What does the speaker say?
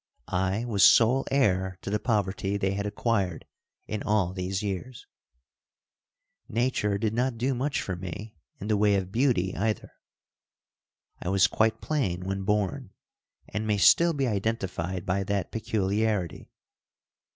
I was sole heir to the poverty they had acquired in all these years. Nature did not do much for me in the way of beauty, either. I was quite plain when born and may still be identified by that peculiarity.